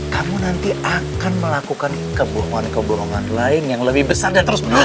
kamu nanti akan melakukan kebohongan kebohongan lain yang lebih besar dan terus menerus